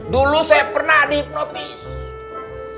dulu saya pernah di hipnotis